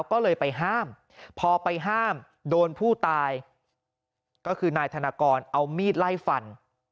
ก็เลยไปห้ามพอไปห้ามโดนผู้ตายก็คือนายธนากรเอามีดไล่ฟัน